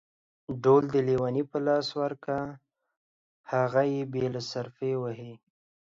ډول د ليوني په لاس ورکه ، هغه يې بې صرفي وهي.